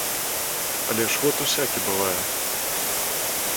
Але ж год усякі бывае.